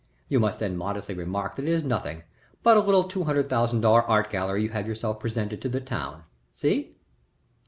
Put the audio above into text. You must then modestly remark that it is nothing but a little two hundred thousand dollar art gallery you have yourself presented to the town. See?"